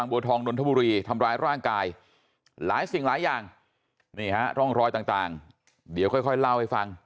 บัวทองนนทบุรีทำร้ายร่างกายหลายสิ่งหลายอย่างนี่ฮะร่องรอยต่างเดี๋ยวค่อยเล่าให้ฟัง